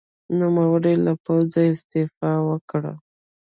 نوموړي له پوځه استعفا وکړه.